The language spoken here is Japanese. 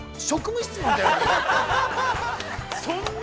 俺今、職務質問みたいな。